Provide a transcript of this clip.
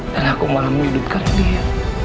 dan aku malah menyedihkan dia